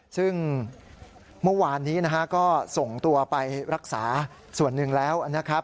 ซึ่งเมื่อวานนี้ก็ส่งตัวไปรักษาส่วนหนึ่งแล้ว